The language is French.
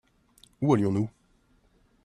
Où allions-nous ?